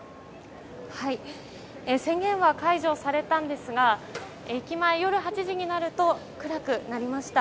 宣言は解除されたんですが駅前、夜８時になると暗くなりました。